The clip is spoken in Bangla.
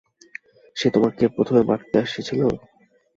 সে তোমাকে প্রথমে মারিতে আসিয়াছিল?